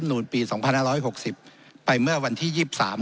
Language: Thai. รับรนูนปีสองพันห้าร้อยหกสิบไปเมื่อวันที่ยิบสาม